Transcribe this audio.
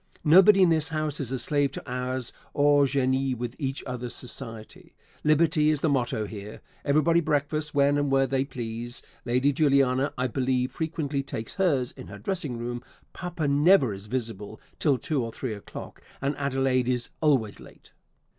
Nobody in this house is a slave to hours, or _gêné _with each other's society. Liberty is the motto here; everybody breakfasts when and where they please. Lady Juliana, I believe, frequently takes hers in her dressing room; Papa never is visible till two or three o'clock; and Adelaide is always late."